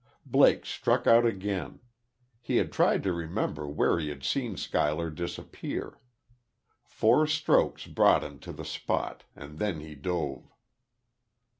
Blake struck out again. He had tried to remember where he had seen Schuyler disappear. Four strokes brought him to the spot; and then he dove.